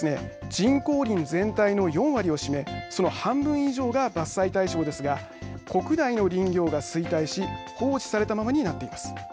人工林全体の４割を占めその半分以上が伐採対象ですが国内の林業が衰退し放置されたままになっています。